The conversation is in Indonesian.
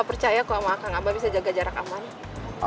percaya ku sama akang abah bisa jaga jarak aman